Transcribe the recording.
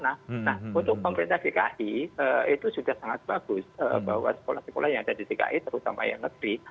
nah untuk pemerintah dki itu sudah sangat bagus bahwa sekolah sekolah yang ada di dki terutama yang negeri